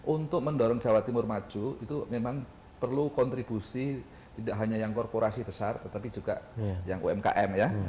untuk mendorong jawa timur maju itu memang perlu kontribusi tidak hanya yang korporasi besar tetapi juga yang umkm ya